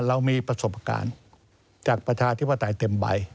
เรามีประสบการณ์จากประชาธิปไตยเต็มใบ